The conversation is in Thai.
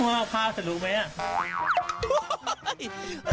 พุ่มมากพากันรู้มั้ย